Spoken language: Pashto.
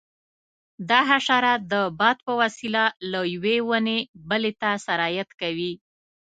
دا حشره د باد په وسیله له یوې ونې بلې ته سرایت کوي.